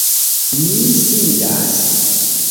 Mi sidas.